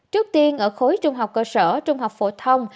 trước tiên ở khối trung học cơ sở trung học phổ thông